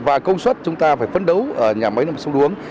và công suất chúng ta phải phấn đấu ở nhà máy nước mặt sông đuống